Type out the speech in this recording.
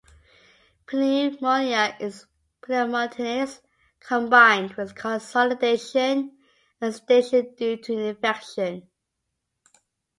Pneumonia is pneumonitis combined with consolidation and exudation due to infection.